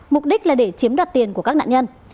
mục đích là để chiếm đoạt tiền của các nạn nhân